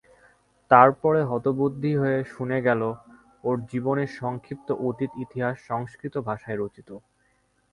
তার পরে হতবুদ্ধি হয়ে শুনে গেল ওর জীবনের সংক্ষিপ্ত অতীত ইতিহাস সংস্কৃত ভাষায় রচিত।